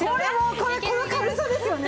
これこの軽さですよね。